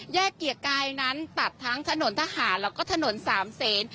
เกียรติกายนั้นตัดทั้งถนนทหารแล้วก็ถนนสามเซน